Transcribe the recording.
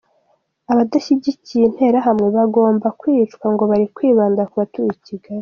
Abadashyikiye Interahamwe bagombaga kwicwa ngo bari kwibanda ku batuye i Kigali.